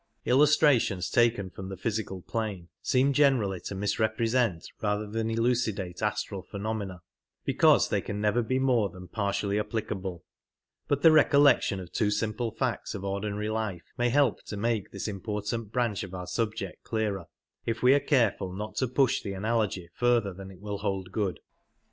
Illustrations taken from the physical plane seem generally to misrepresent rather than elucidate astral pheno mena, because they can never be more than partially applic able ; but the recollection of two simple facts of ordinary life may help to make this important branch of our subject clearer, if we are careful not to push the analogy further than it will hold good.